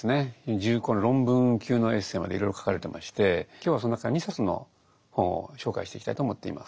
重厚な論文級のエッセイまでいろいろ書かれてまして今日はその中から２冊の本を紹介していきたいと思っています。